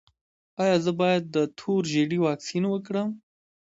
ایا زه باید د تور ژیړي واکسین وکړم؟